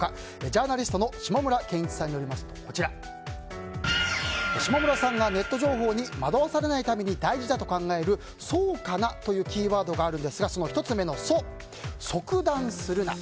ジャーナリストの下村健一さんによりますと下村さんがネット情報に惑わされないために大事だと考える「ソ・ウ・カ・ナ」というキーワードがあるんですが１つ目の「ソ」即断するな。